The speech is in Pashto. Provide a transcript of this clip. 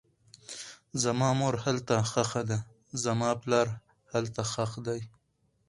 زما مور هلته ښخه ده, زما پلار هلته ښخ دی